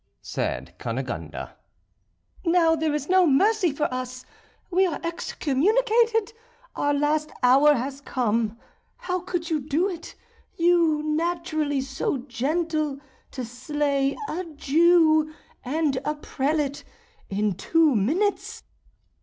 said Cunegonde, "now there is no mercy for us, we are excommunicated, our last hour has come. How could you do it? you, naturally so gentle, to slay a Jew and a prelate in two minutes!"